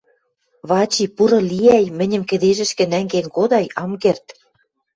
Вачи, пуры лиӓй, мӹньӹм кӹдежӹшкӹ нӓнген кодай... ам керд...